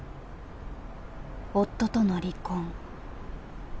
夫との離婚。